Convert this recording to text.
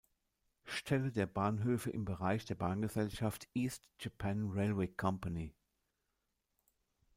Stelle der Bahnhöfe im Bereich der Bahngesellschaft East Japan Railway Company.